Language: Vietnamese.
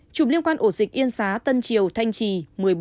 hai chủng liên quan ổ dịch yên xá tân triều thanh trì một mươi bốn